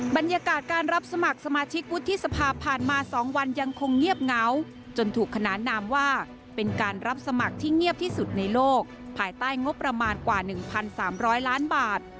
บรรยากาศการรับสมัครสมาชิกวุฒิสภาผ่านมา๒วันยังคงเงียบเหงาจนถูกขนานนามว่าเป็นการรับสมัครที่เงียบที่สุดในโลกภายใต้งบประมาณกว่า๑๓๐๐ล้านบาท